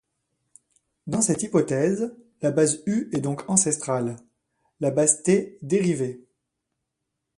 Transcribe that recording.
Dans cette hypothèse, la base U est donc ancestrale, la base T dérivée.